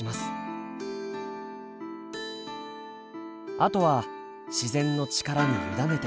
あとは自然の力に委ねて。